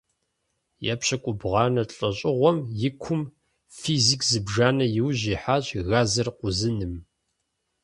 ЕпщыкIубгъуанэ лIэщIыгъуэм и кум физик зыбжанэ и ужь ихьащ газыр къузыным.